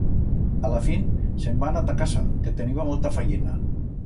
A la fin se'n va anar ta casa, que teniba molta fayena.